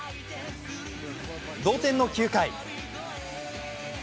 同点の９回。